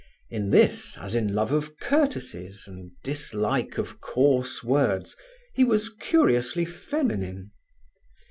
In this as in love of courtesies and dislike of coarse words he was curiously feminine.